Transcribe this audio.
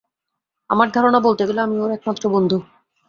আমার ধারণা, বলতে গেলে, আমিই ওর একমাত্র বন্ধু।